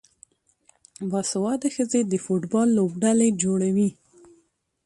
باسواده ښځې د فوټبال لوبډلې جوړوي.